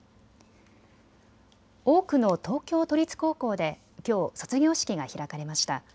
多くの東京都立高校できょう、卒業式が開かれました。